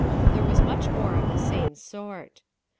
There was much more of the same sort.